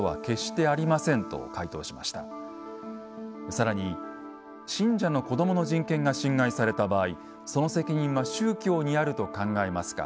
更に「信者の子どもの人権が侵害された場合その責任は宗教にあると考えますか？